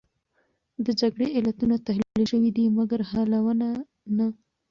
د جګړې علتونه تحلیل شوې دي، مګر حلونه نه.